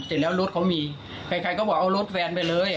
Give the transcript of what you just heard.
เสร็จแล้วรถเขามีใครใครก็บอกเอารถแฟนไปเลย